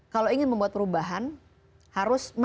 kalau ingin membuat perubahan harus masuk ke dalam